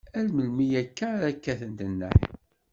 Ar melmi akka ara kkatent nneḥ?